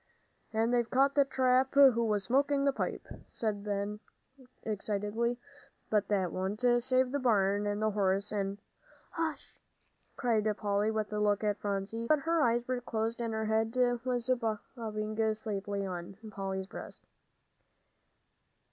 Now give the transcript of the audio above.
"And they've caught the tramp who was smoking the pipe," cried Ben, excitedly, "but that won't save the barn, and the horse and " "Hush!" cried Polly, with a look at Phronsie. But her eyes were closed, and her head was bobbing sleepily on Polly's breast.